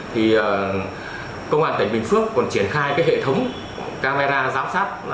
thì công an tỉnh bình phước còn triển khai cái hệ thống camera giám sát